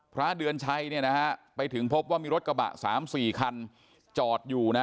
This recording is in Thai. พระเดือนชัยไปถึงพบว่ามีรถกระบะ๓๔คันจอดอยู่